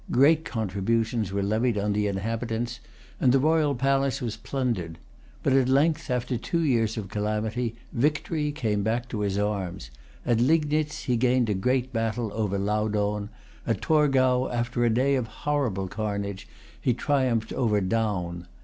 Great contributions were levied on the inhabitants, and the royal palace was plundered. But at length, after two years of calamity, victory came back to his arms. At Lignitz he gained a great battle over Laudohn; at Torgau, after a day of horrible carnage, he triumphed over Daun.